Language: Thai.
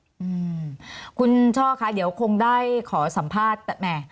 อืมคุณช่อค่ะเดี๋ยวคงได้ขอสัมภาษณ์แต่แหม่